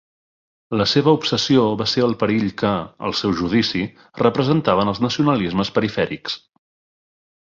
La seva obsessió va ser el perill que, al seu judici, representaven els nacionalismes perifèrics.